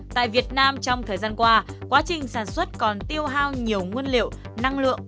tại việt nam trong thời gian qua quá trình sản xuất còn tiêu hao nhiều nguyên liệu năng lượng